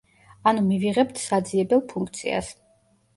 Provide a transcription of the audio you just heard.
ანუ მივიღებთ საძიებელ ფუნქციას.